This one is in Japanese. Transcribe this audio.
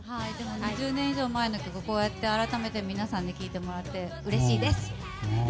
２０年以上前の曲を改めて、皆さんに聴いてもらってうれしいです！